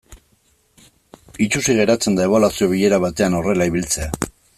Itsusi geratzen da ebaluazio bilera batean horrela ibiltzea.